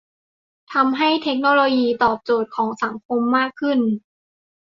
ทำให้เทคโนโลยีตอบโจทย์ของสังคมมากขึ้น